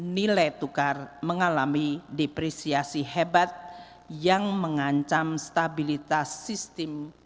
nilai tukar mengalami depresiasi hebat yang mengancam stabilitas sistem